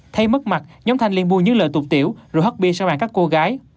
thay mất mặt nhóm thanh niên mua những lời tục tiểu rồi hắt bia sang bàn các cô gái